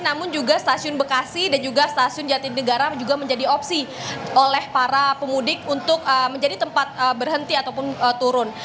namun juga stasiun bekasi dan juga stasiun jatinegara juga menjadi opsi oleh para pemudik untuk menjadi tempat berhenti ataupun turun